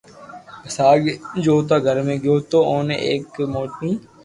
پسو آگي چوٿا گھر ۾ گيو تو اوني ايڪ موٺي